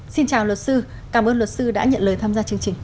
xin chào luật sư cảm ơn luật sư đã nhận lời tham gia chương trình